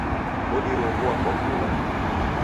Odiroghua kwa kula